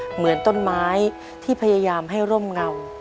เหมือนต้นไม้ที่พยายามให้ร่มเงา